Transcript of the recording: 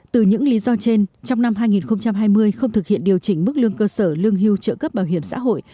từ những lý do trên trong năm hai nghìn hai mươi không thực hiện điều chỉnh mức lương cơ sở lương hưu trợ cấp bảo hiểm xã hội